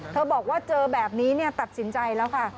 บอกว่าเจอแบบนี้ตัดสินใจแล้วค่ะ